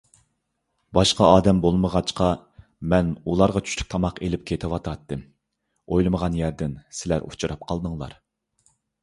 باشقا ئادەم بولمىغاچقا، مەن ئۇلارغا چۈشلۈك تاماق ئېلىپ كېتىۋاتاتتىم. ئويلىمىغان يەردىن سىلەر ئۇچراپ قالدىڭلار.